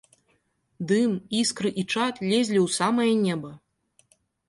Дым, іскры і чад лезлі ў самае неба.